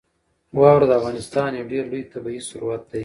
واوره د افغانستان یو ډېر لوی طبعي ثروت دی.